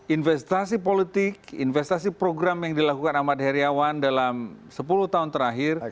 investasi politik investasi program yang dilakukan ahmad heriawan dalam sepuluh tahun terakhir